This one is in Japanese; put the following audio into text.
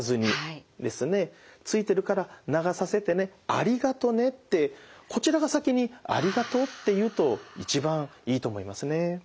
「ついてるから流させてねありがとね」ってこちらが先に「ありがとう」って言うと一番いいと思いますね。